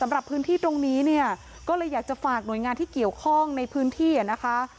สำหรับพื้นที่ตรงนี้เนี่ยก็เลยอยากจะฝากหน่วยงานที่เกี่ยวข้องในพื้นที่อ่ะนะคะ